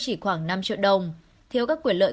chỉ khoảng năm triệu đồng thiếu các quyền lợi